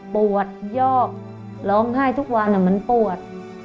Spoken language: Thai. ปวดยอกร้องไห้ทุกวันมันปวด